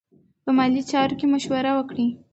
په مالي چارو کې مشوره وکړئ.